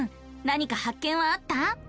なにか発見はあった？